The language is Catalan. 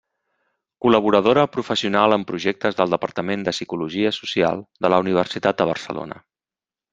Col·laboradora professional en projectes del Departament de Psicologia Social de la Universitat de Barcelona.